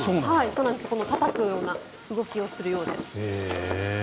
たたくような動きをするようです。